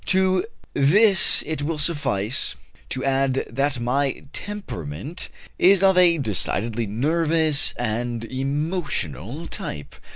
To this it will suffice to add that my temperament is of a decidedly nervous and emotional type.